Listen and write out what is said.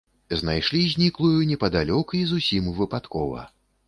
Знайшлі зніклую непадалёк і зусім выпадкова.